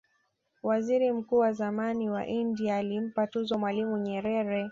waziri mkuu wa zamani wa india alimpa tuzo mwalimu nyerere